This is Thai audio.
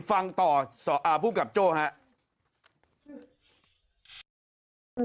ฟังต่อภูมิกับโจ้ครับ